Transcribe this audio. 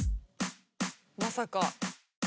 まさか。